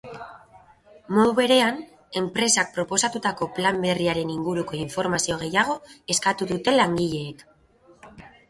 Modu berean, enpresak proposatutako plan berriaren inguruko informazio gehiago eskatu dute langileek.